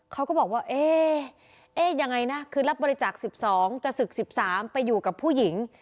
เขาก็บอกว่าเอ๊ะยังไงนะคือรับบริจาค๑๒จะศึก๑๓ไปอยู่กับผู้หญิง